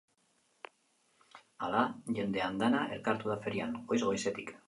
Hala, jende andana elkartu da ferian, goiz-goizetik.